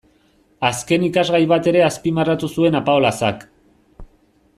Azken ikasgai bat ere azpimarratu zuen Apaolazak.